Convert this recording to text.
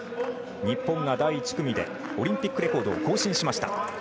日本が第１組でオリンピックレコードを更新しました。